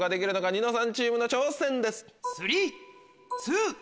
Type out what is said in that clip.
ニノさんチームの挑戦です。